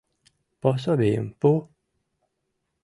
Пособийым пу!